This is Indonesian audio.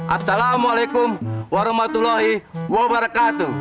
assalamualaikum warahmatullahi wabarakatuh